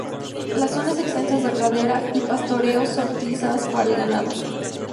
Las zonas extensas de pradera y pastoreo son utilizadas para el ganado.